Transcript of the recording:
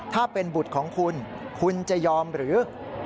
ถ้าเป็นบุตรของคุณคุณจะยอมหรือ